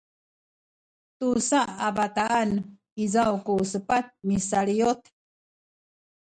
tusa a bataan izaw ku sepat misaliyut